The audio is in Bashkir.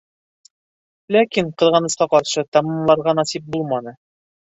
Ләкин, ҡыҙғанысҡа ҡаршы, тамамларға насип булманы.